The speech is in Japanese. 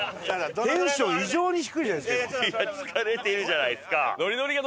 いや疲れてるじゃないですか！